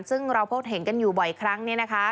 ซึ่งเราพบเห็นกันอยู่บ่อยครั้งเนี่ยนะคะ